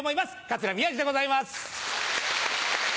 桂宮治でございます。